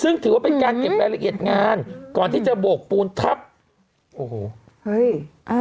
ซึ่งถือว่าเป็นการเก็บรายละเอียดงานก่อนที่จะโบกปูนทับโอ้โหเฮ้ยอ่า